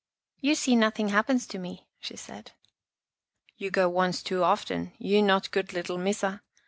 " You see nothing happens to me," she said. " You go once too often. You not good little Missa.